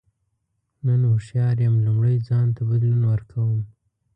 نن هوښیار یم لومړی ځان ته بدلون ورکوم.